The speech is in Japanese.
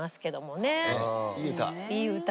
いい歌。